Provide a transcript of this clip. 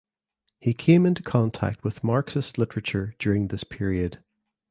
He came into contact with Marxist literature during this period.